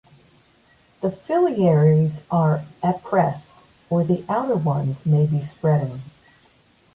The phyllaries are appressed or the outer ones may be spreading.